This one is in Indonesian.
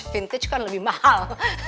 vintage kan lebih mahal